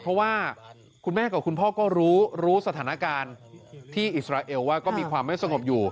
เพราะว่าคุณแม่กับคุณพ่อก็รู้รู้สถานการณ์ที่อิสราเอลว่าก็มีความไม่สงบอยู่